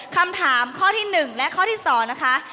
คำถามข้อที่๑และข้อที่๒นะคะ